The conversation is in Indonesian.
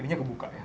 ini kebuka ya